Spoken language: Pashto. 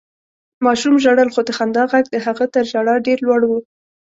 ماشوم ژړل، خو د خندا غږ د هغه تر ژړا ډېر لوړ و.